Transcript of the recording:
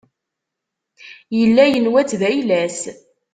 Yella yenwa-tt d ayla-s.